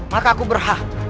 maka aku berhak